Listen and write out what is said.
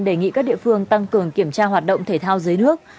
đề nghị các địa phương tăng cường kiểm tra hoạt động thể thao dưới nước